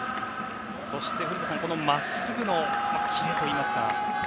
そして古田さん、このまっすぐのキレといいますか。